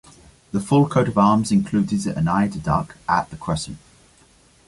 The full coat of arms includes an eider duck as the crest.